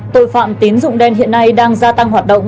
tội phạm tín dụng đen hiện nay đang gia tăng hoạt động